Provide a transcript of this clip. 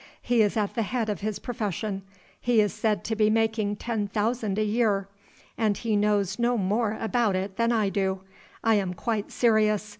He is at the head of his profession; he is said to be making ten thousand a year; and he knows no more about it than I do. I am quite serious.